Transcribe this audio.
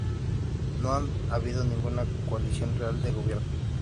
No ha habido ninguna coalición real de gobierno.